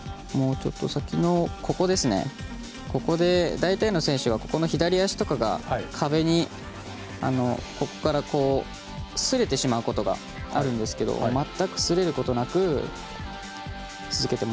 大体の選手は左足とかが壁に擦れてしまうことがあるんですけど全く擦れることなく。